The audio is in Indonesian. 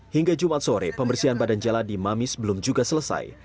hingga jumat sore pembersihan badan jalan di mamis belum juga selesai